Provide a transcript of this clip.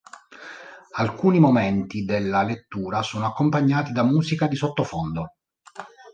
Alcuni momenti della lettura sono accompagnati da musica di sottofondo.